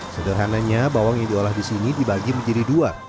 sederhananya bawang yang diolah di sini dibagi menjadi dua